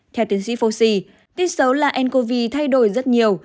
theo tiến sĩ fosi tin xấu là ncov thay đổi rất nhiều